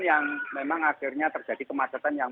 yang memang akhirnya terjadi kemacetan yang